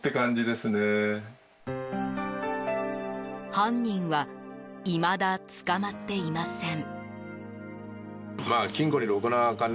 犯人はいまだ捕まっていません。